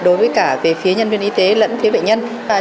đối với cả về phía nhân viên y tế lẫn phía bệnh nhân